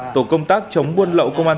tổ công tác chống buôn lậu công an